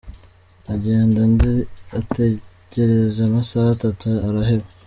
agenda undi ategereza amasaha atatu araheba.